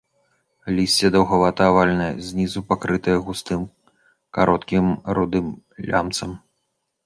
Лісце даўгавата-авальнае, знізу пакрытае густым кароткім рудым лямцам.